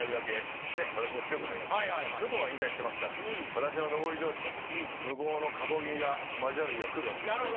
向こうは引退してますから私の上り調子と向こうの下降気味が交わる日が来るわけですよね。